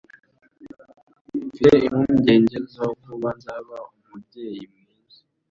Mfite impungenge zo kuba nzaba umubyeyi mwiza.